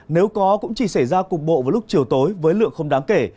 nếu có cũng chỉ xảy ra cục bộ vào lúc chiều tối với lượng không đáng kể